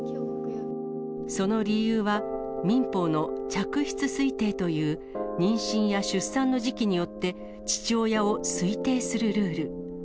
その理由は、民法の嫡出推定という、妊娠や出産の時期によって、父親を推定するルール。